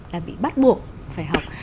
là bị bắt buộc phải học